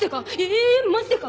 えぇマジでか！？